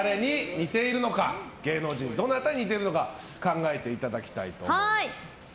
芸能人のどなたに似ているのか考えていただきたいと思います。